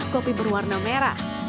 kopi berwarna merah